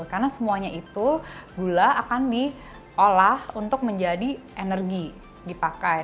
karena semuanya itu gula akan diolah untuk menjadi energi dipakai